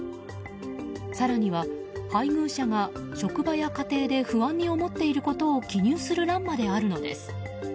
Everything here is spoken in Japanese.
更には配偶者が職場や家庭で不安に思っていることを記入する欄まであるのです。